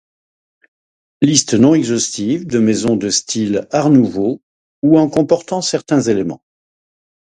Liste non exhaustive de maisons de style Art nouveau ou en comportant certains éléments.